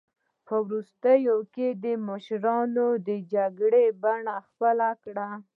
په وروستیو کې یې د ماشومانو د جګړې بڼه خپله کړه.